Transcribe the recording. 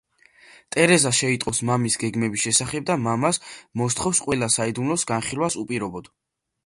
ტერეზა შეიტყობს მამის გეგმების შესახებ და მამას მოსთხოვს ყველა საიდუმლოს განხილვას, უპირობოდ.